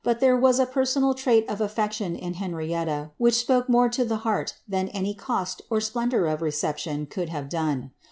But there was a personal trait of aflection in Henrietta, which spoke more to the heart than any cost or splendour of reception could hife done.